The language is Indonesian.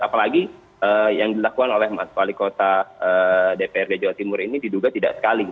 apalagi yang dilakukan oleh mas wali kota dprd jawa timur ini diduga tidak sekali